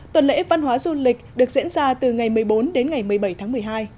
tuần lễ văn hóa du lịch được diễn ra từ ngày một mươi bốn đến ngày một mươi bảy tháng một mươi hai